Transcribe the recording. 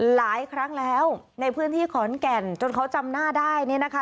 หลายครั้งแล้วในพื้นที่ขอนแก่นจนเขาจำหน้าได้เนี่ยนะคะ